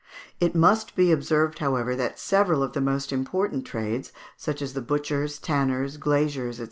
It must be observed, however, that several of the most important trades, such as the butchers, tanners, glaziers, &c.